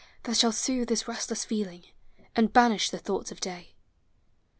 That shall soothe this restless feeling, And banish the thoughts of day.